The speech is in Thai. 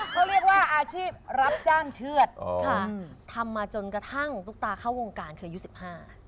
เขาเรียกว่าอาชีพรับจ้างเชื่อดอ๋อค่ะอืมทำมาจนกระทั่งตุ๊กตาเข้าวงการคืออายุสิบห้า